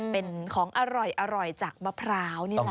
เป็นของอร่อยจากมะพร้าวนี่แหละ